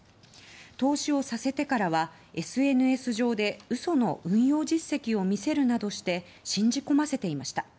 投資をさせてからは、ＳＮＳ上で嘘の運用実績を見せるなどして信じ込ませていました。